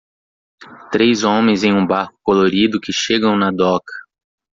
Três homens em um barco colorido que chegam na doca.